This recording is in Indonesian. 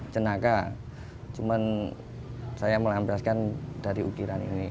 cennaka cuman saya melambaskan dari ukiran ini